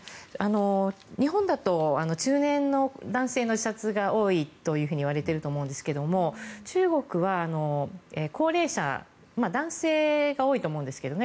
日本だと中年の男性の自殺が多いといわれていると思うんですが中国は高齢者男性が多いと思うんですけどね